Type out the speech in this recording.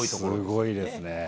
すごいですね。